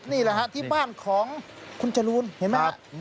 นี่แหละครับที่บ้านของคุณจรูนเห็นไหมครับ